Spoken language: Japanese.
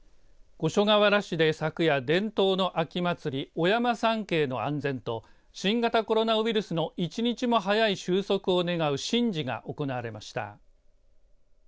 五所川原市で昨夜、伝統の秋祭りお山参詣の安全と新型コロナウイルスの１日も早い終息を願う神事が行われました。